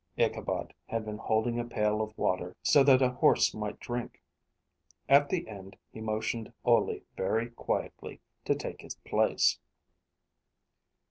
Ichabod had been holding a pail of water so that a horse might drink. At the end he motioned Ole very quietly, to take his place.